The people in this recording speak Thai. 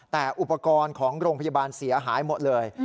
แต่อุปกรณ์ของโรงพยาบาลเสียหายหมดเลย